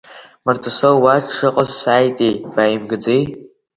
Мардасоу уа дшыҟаз сааитеи, бааимгаӡеи?